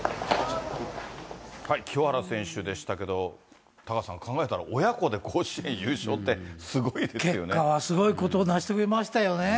清原選手でしたけど、タカさん、考えたら親子で甲子園優勝っ結果はすごいこと、成し遂げましたよね。